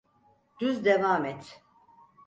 Düz devam et.